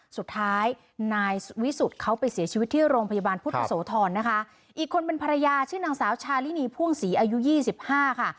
สุดท้ายนายวิสุทธิ์เขาไปเสียชีวิตที่โรงพยาบาลพุทธโสธรนะคะอีกคนเป็นภรรยาชื่อนางสาวชาลินีพ่วงศรีอายุยี่สิบห้าค่ะ